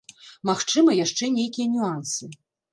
Магчыма, яшчэ нейкія нюансы.